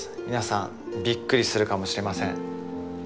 皆さんびっくりするかもしれません。